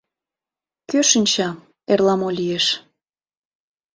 Кӧ шинча, эрла мо лиеш.